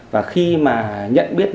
và khi mà nhận biết